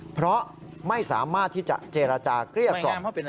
เพราะไม่สามารถที่จะเจรจาเกลี้ยกล่อม